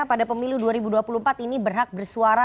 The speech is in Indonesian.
pada pemilu dua ribu dua puluh empat ini berhak bersuara